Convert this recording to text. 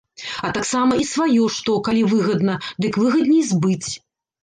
А таксама і сваё што, калі выгадна, дык выгадней збыць.